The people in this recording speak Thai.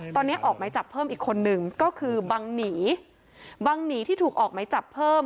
ตอนนี้ออกไม้จับเพิ่มอีกคนนึงก็คือบังหนีบังหนีที่ถูกออกไหมจับเพิ่ม